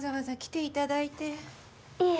いえ。